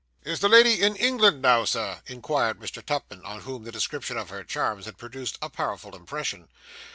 'Is the lady in England now, sir?' inquired Mr. Tupman, on whom the description of her charms had produced a powerful impression.